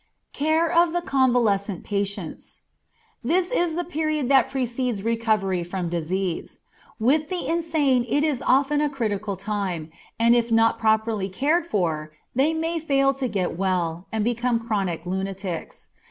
Care of the Convalescent Patients. This is the period that precedes recovery from disease. With the insane it is often a critical time, and if not properly cared for they may fail to get well, and become chronic lunatics.